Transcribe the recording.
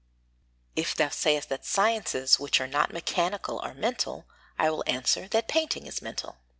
If thou sayest that sciences which are not mechanical are mental, I will answer that painting is mental.